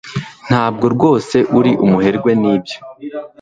Ntabwo rwose uri umuherwe nibyo